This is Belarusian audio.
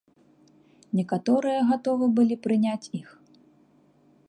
Некаторыя гатовы былі прыняць іх.